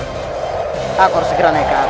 aku harus segera naik ke atas